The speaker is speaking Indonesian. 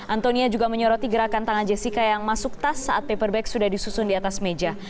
antonia juga menyoroti gerakan tangan jessica yang masuk tas saat paper bag sudah disusun di atas meja